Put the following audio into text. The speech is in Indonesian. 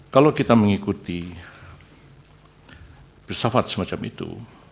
kalau kita mengikuti filsafat semacam itu